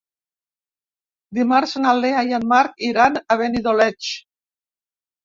Dimarts na Lea i en Marc iran a Benidoleig.